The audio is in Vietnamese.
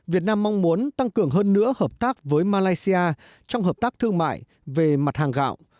việt nam mong muốn tăng cường hơn nữa hợp tác với malaysia trong hợp tác thương mại về mặt hàng gạo